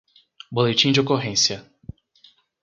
Boletim de ocorrência